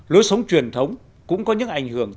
lối sống truyền thống cũng có những ảnh hưởng